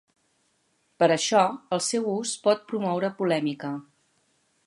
Per això, el seu ús pot promoure polèmica.